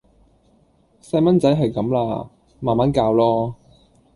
細孥仔係咁啦！慢慢教囉